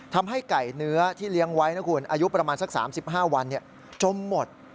ทำให้ไก่เนื้อที่เลี้ยงไว้นะคุณอายุประมาณสัก๓๕วันจมหมด